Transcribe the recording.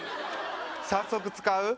早速使う？